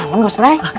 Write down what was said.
selamat malam mas brai